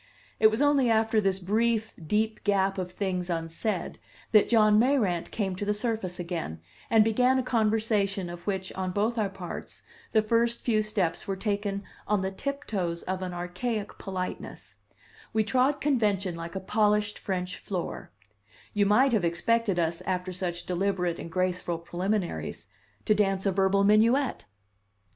It was only after this brief, deep gap of things unsaid that John Mayrant came to the surface again, and began a conversation of which, on both our parts, the first few steps were taken on the tiptoes of an archaic politeness; we trod convention like a polished French floor; you might have expected us, after such deliberate and graceful preliminaries, to dance a verbal minuet.